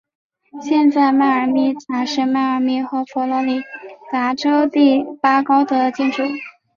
现在迈阿密塔是迈阿密和佛罗里达州第八高的建筑。